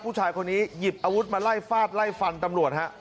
ผู้ชายคนนี้หยิบอาวุธมาไล่ฟาดไล่ฟันตำรวจฮะ